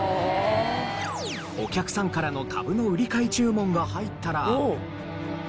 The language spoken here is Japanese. お客さんからの株の売り買い注文が入ったら。